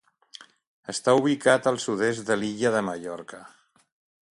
Està ubicat al sud-est de l'Illa de Mallorca.